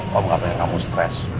kamu nggak mau pegangin kamu stress